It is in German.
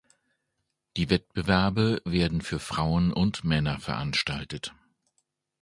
Die Wettbewerbe werden für Frauen und Männer veranstaltet.